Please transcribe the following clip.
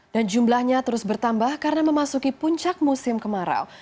dan jumlahnya terus bertambah karena memasuki puncak musim kemarau